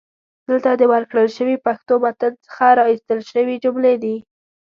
دلته د ورکړل شوي پښتو متن څخه را ایستل شوي جملې دي: